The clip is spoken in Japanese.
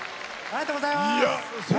ありがとうございます。